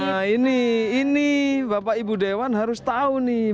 nah ini ini bapak ibu dewan harus tahu nih